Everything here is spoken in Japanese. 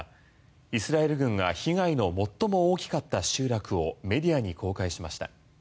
イスラエル軍が被害の最も大きかった集落をメディアに公開しました。